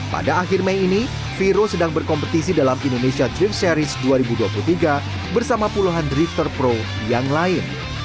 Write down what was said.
pada akhir mei ini viro sedang berkompetisi dalam indonesia drift series dua ribu dua puluh tiga bersama puluhan drifter pro yang lain